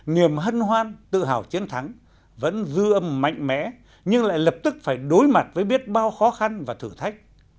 niềm hân hoan tự hào chiến thắng vẫn dư âm mạnh mẽ nhưng lại lập tức phải đối mặt với biết bao khó khăn và thử thách